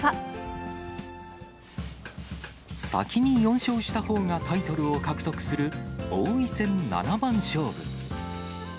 先に４勝したほうがタイトルを獲得する王位戦七番勝負。